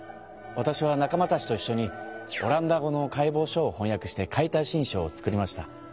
わたしは仲間たちといっしょにオランダ語の解剖書をほんやくして「解体新書」を作りました。